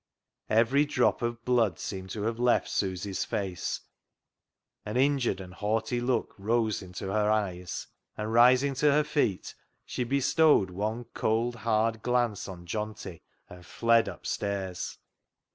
Every drop of blood seemed to have left FOR BETTER, FOR WORSE 191 Susy's face, an injured and haughty look rose into her eyes, and rising to her feet, she bestowed one cold, hard glance on Johnty and fled upstairs.